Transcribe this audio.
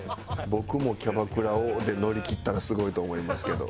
「僕もキャバクラを」で乗り切ったらすごいと思いますけど。